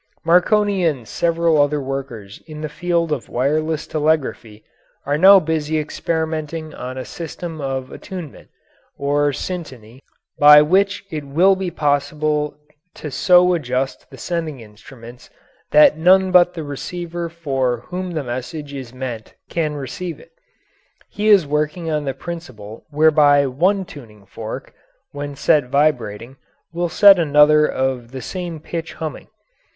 Marconi and several other workers in the field of wireless telegraphy are now busy experimenting on a system of attunement, or syntony, by which it will be possible to so adjust the sending instruments that none but the receiver for whom the message is meant can receive it. He is working on the principle whereby one tuning fork, when set vibrating, will set another of the same pitch humming.